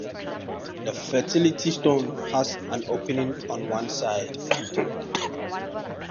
The fertility stone has an opening on one side.